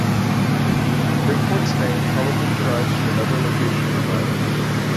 Bridport's name probably derives from another location nearby.